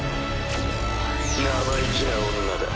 生意気な女だ。